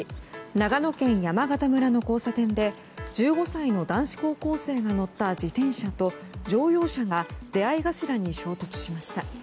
長野県山形村の交差点で１５歳の男子高校生が乗った自転車と、乗用車が出合い頭に衝突しました。